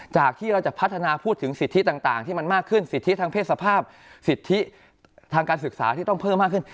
จากที่เราจะพัฒนาพูดถึงสิทธิต่างที่มันมากขึ้นสิทธิทางเพศสภาพสิทธิทางการศึกษาที่ต้องเพิ่มมากขึ้น